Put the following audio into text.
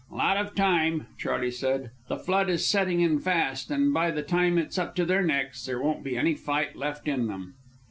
"Lot of time," Charley said. "The flood is setting in fast, and by the time it's up to their necks there won't be any fight left in them."